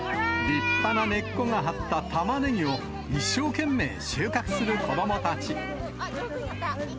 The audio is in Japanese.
立派な根っこが張ったタマネギを、一生懸命収穫する子どもたち。